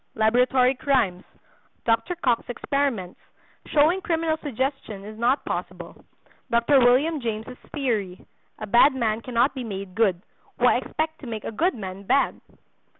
—Laboratory Crimes.—Dr. Cocke's Experiments Showing Criminal Suggestion Is not Possible.—Dr. William James' Theory.—A Bad Man Cannot Be Made Good, Why Expect to Make a Good Man Bad?